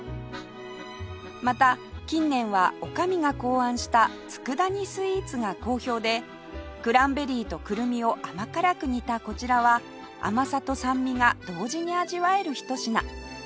また近年は女将が考案した佃煮スイーツが好評でクランベリーとくるみを甘辛く煮たこちらは甘さと酸味が同時に味わえるひと品